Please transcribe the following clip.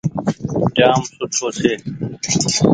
جآم سوٺو ڇي۔